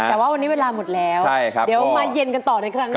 แต่ว่าวันนี้เวลาหมดแล้วเดี๋ยวมาเย็นกันต่อในครั้งนี้